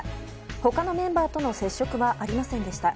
他のメンバーとの接触はありませんでした。